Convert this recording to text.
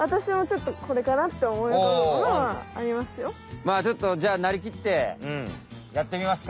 まあちょっとじゃあなりきってやってみますか。